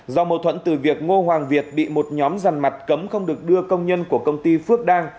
do mâu thuẫn từ việc ngô hoàng việt bị một nhóm rằn mặt cấm không được đưa công nhân của công ty phước đang